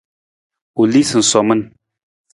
U lii sunsomin.